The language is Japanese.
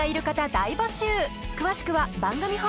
大募集